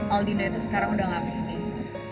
aldina itu sekarang udah gak penting